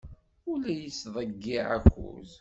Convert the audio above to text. Ur la yettḍeyyiɛ akud.